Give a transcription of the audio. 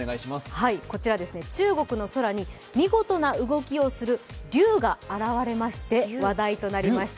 こちら、中国の空に見事な動きをする竜が現れまして、話題となりました。